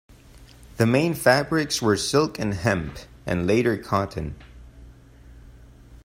The main fabrics were silk and hemp, and later cotton.